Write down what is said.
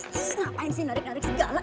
ngapain sih narik narik segala